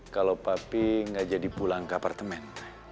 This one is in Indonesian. kalo papi gak jadi pulang ke apartemen